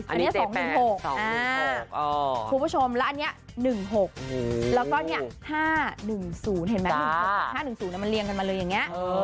อันนี้๒๑๖คุณผู้ชมแล้วอันนี้๑๖แล้วก็๕๑๐เห็นไหม๑๖กับ๕๑๐มันเรียงกันมาเลยอย่างนี้